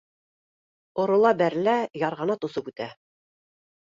Орола-бәрелә ярғанат осоп үтә